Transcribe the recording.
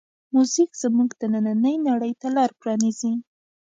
موزیک زمونږ دنننۍ نړۍ ته لاره پرانیزي.